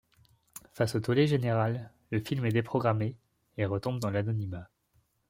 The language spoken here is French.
Face au tollé général, le film est déprogrammé… et retombe dans l’anonymat.